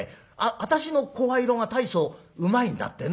私の声色が大層うまいんだってね」。